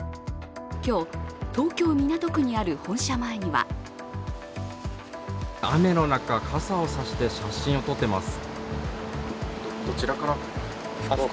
今日、東京・港区にある本社前には雨の中、傘を差して写真を撮ってます。